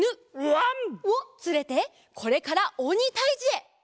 わん！をつれてこれからおにたいじへ！